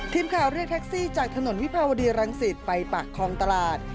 ทีมข่าวเรียกแท็กซี่จากถนนวิภาวดีรังสิตไปปากคลองตลาด